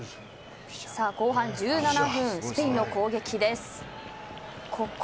後半１７分、スペインの攻撃です。